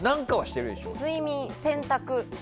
睡眠、洗濯。